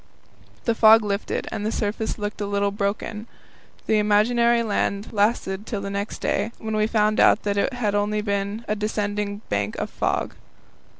The fog lifted, and the surface looked a little broken. The imaginary land lasted till the next day, when we found out that it had only been a descending bank of fog.